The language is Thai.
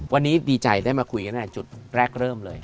วันนี้ดีใจได้มาคุยกันตั้งแต่จุดแรกเริ่มเลย